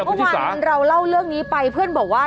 เมื่อวานเราเล่าเรื่องนี้ไปเพื่อนบอกว่า